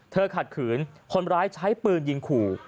ขัดขืนคนร้ายใช้ปืนยิงขู่